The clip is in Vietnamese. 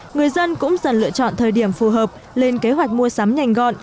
người dân cũng dần lựa chọn thời điểm phù hợp lên kế hoạch mua sắm nhanh gọn